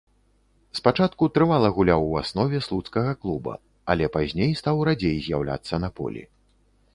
Спачатку трывала гуляў у аснове слуцкага клуба, але пазней стаў радзей з'яўляцца на полі.